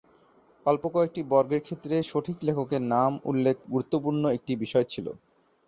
অল্প কয়েকটি বর্গের ক্ষেত্রে সঠিক লেখকের নাম উল্লেখ গুরুত্বপূর্ণ একটি বিষয় ছিল।